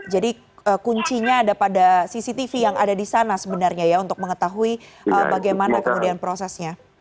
jadi kuncinya ada pada cctv yang ada di sana sebenarnya ya untuk mengetahui bagaimana kemudian prosesnya